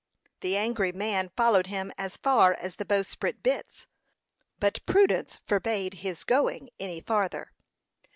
The angry man followed him as far as the bowsprit bitts, but prudence forbade his going any farther.